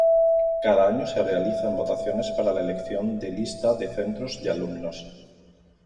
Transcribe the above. Cada año se realizan votaciones para la elección de lista de centro de alumnos.